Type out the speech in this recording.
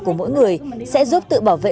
của mỗi người sẽ giúp tự bảo vệ